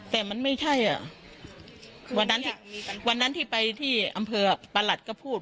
แต่มันไม่ใช่อ่ะวันนั้นวันนั้นที่ไปที่อำเภอประหลัดก็พูด